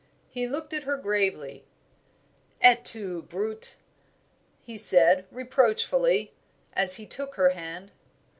He looked at her gravely. "Et tu Brute!" he said, reproachfully, as he took her hand.